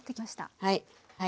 はい。